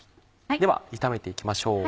では炒めて行きましょう。